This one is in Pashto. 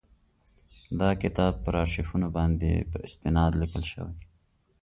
دا کتاب پر آرشیفونو باندي په استناد لیکل شوی.